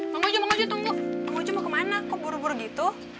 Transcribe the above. mau nguju mau nguju tunggu mau nguju mau kemana kok buru buru gitu